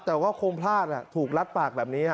แต่ก็คงพลาดอ่ะถูกลัดปากแบบนี้อ่ะ